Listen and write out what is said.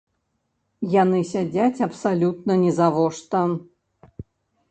Яны сядзяць абсалютна нізавошта!